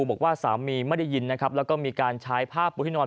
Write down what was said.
บอกว่าสามีไม่ได้ยินนะครับแล้วก็มีการใช้ผ้าปูที่นอน